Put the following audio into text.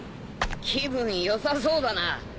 気分良さそうだな。